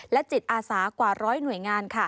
จิตอาสากว่าร้อยหน่วยงาน